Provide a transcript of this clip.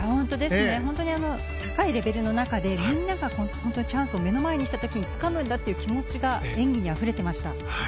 本当に高いレベルの中でみんながチャンスを目の前にした時につかむんだという気持ちが演技にあふれていました。